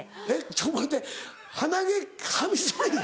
ちょっと待って鼻毛カミソリ？